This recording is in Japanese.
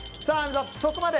そこまで！